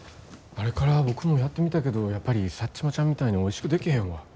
あれから僕もやってみたけどやっぱりサッチモちゃんみたいにおいしく出来へんわ。